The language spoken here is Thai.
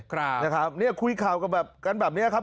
ครับนะครับเนี่ยคุยข่าวกับแบบกันแบบนี้ครับ